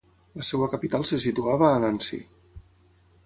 La seva capital se situava a Nancy.